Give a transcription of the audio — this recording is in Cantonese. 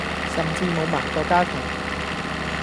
甚至無埋個家庭